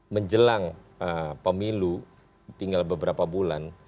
menjelang pemilu tinggal beberapa bulan